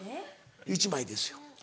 １枚ですよ。